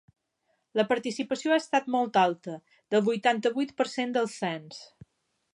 La participació ha estat molt alta, del vuitanta-vuit per cent del cens.